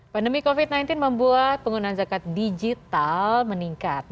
pandemi covid sembilan belas membuat penggunaan zakat digital meningkat